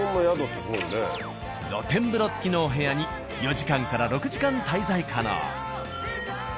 露天風呂付きのお部屋に４時間から６時間滞在可能。